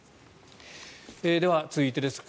では続いてです。